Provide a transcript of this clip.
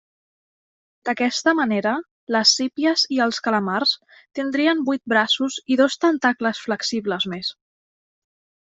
D'aquesta manera les sípies i els calamars tindrien vuit braços i dos tentacles flexibles més.